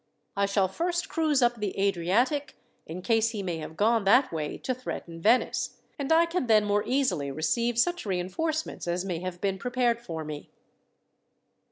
I shall first cruise up the Adriatic, in case he may have gone that way to threaten Venice, and I can the more easily receive such reinforcements as may have been prepared for me."